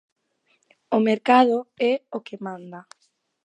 O mercado é o que manda.